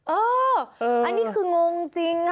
เอออันนี้คืองงจริง